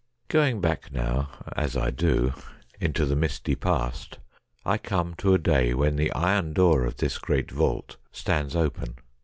Going back now, as I do, into the misty past, I come to a day when the iron door of this great vault stands open.